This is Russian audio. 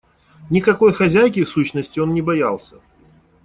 Никакой хозяйки, в сущности, он не боялся.